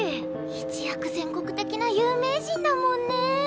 一躍全国的な有名人だもんね！